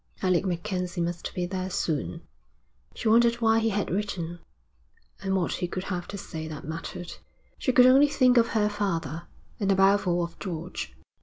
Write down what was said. Alec MacKenzie must be there soon. She wondered why he had written, and what he could have to say that mattered. She could only think of her father, and above all of George.